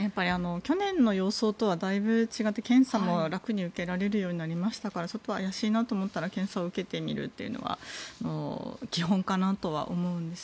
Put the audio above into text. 去年の様相とはだいぶ違っていて検査も楽に受けられるようになりましたからちょっと怪しいなと思ったら検査を受けてみるというのは基本かなとは思います。